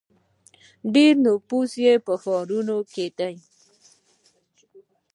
ډیری نفوس یې په ښارونو کې دی.